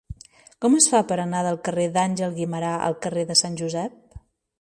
Com es fa per anar del carrer d'Àngel Guimerà al carrer de Sant Josep?